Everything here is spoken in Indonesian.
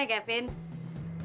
yang lebih ingin dipakai